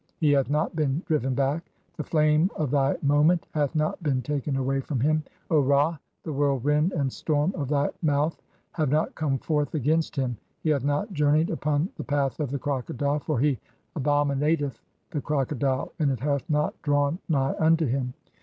He hath not been driven back, the flame of thy moment '(34) hath not been taken away from him, [O Ra,] the whirl 'wind and storm of thy mouth have not come forth against 'him, he hath not journeyed upon the path of the crocodile — 'for he abominateth (35) the crocodile — and it hath not drawn 'nigh unto him.